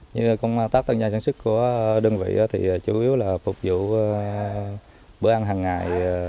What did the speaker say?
như công tác tân gia sản xuất của đơn vị thì chủ yếu là phục vụ bữa ăn hàng ngày